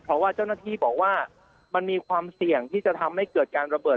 เพราะว่าเจ้าหน้าที่บอกว่ามันมีความเสี่ยงที่จะทำให้เกิดการระเบิด